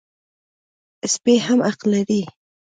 سپي هم حق لري.